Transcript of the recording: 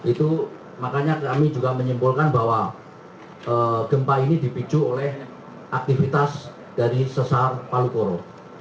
itu makanya kami juga menyimpulkan bahwa gempa ini dipicu oleh aktivitas dari sesar palu koro